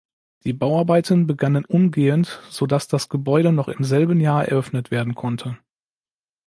Die Bauarbeiten begannen umgehend, sodass das Gebäude noch im selben Jahr eröffnet werden konnte.